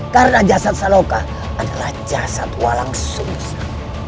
karena jasad saloka adalah jasad walang susu